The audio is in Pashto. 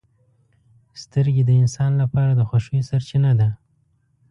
• سترګې د انسان لپاره د خوښیو سرچینه ده.